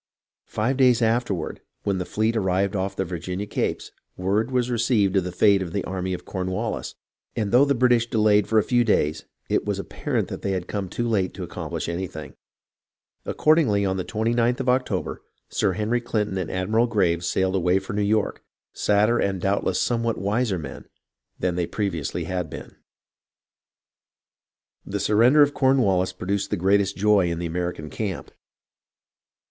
Five days afterward, when the fleet arrived off the Virginia capes, word was received of the fate of the army of Cornwallis, and though the British delayed for a few days, it was ap parent that they had come too late to accomplish anything ; accordingly, on the 29th of October, Sir Henry Clinton and Admiral Graves sailed away for New York, sadder and doubtless somewhat wiser men than they previously had been. The surrender of Cornwallis produced the greatest joy in the American camp.